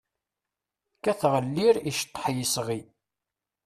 Kkateɣ llir, iceṭṭaḥ yesɣi.